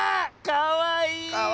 かわいい！